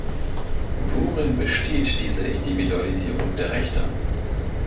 Worin besteht diese Individualisierung der Rechte?